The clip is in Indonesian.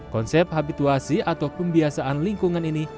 konsep habituasi atau pembiasaan lingkungan ini